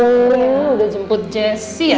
udah jemput jessy ya